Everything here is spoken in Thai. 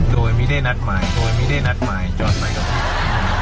โดยไม่ได้นัดหมายโดยไม่ได้นัดหมายจอดใหม่กับผม